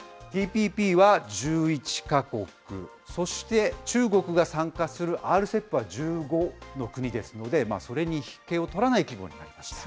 ＴＰＰは１１か国、そして中国が参加するＲＣＥＰは１５の国ですので、それに引けを取らない規模になりました。